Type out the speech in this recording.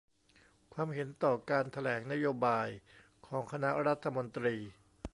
ความเห็นต่อการแถลงนโยบายของคณะรัฐมนตรี